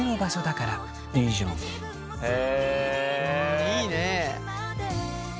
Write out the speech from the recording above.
いいね。